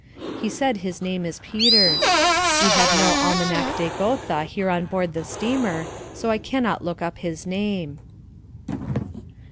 He said his name is Peters. We have no Almanach de Gotha here on board the steamer, so I cannot look up his name.